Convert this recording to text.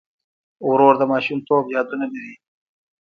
ورور د ماشومتوب یادونه لري.